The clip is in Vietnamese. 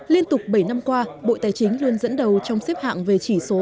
liên tục bảy năm qua bộ tài chính luôn dẫn đầu trong xếp hạng về chỉ số